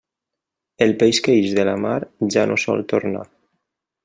El peix que ix de la mar, ja no sol tornar.